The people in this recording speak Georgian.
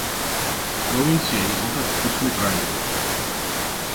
პროვინცია იყოფა თხუთმეტ რაიონად.